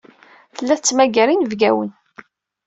Tella tettmagar inebgawen.